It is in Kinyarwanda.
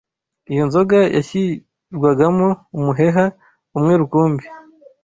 Iyo nzoga yashyirwagamo umuheha umwe rukumbi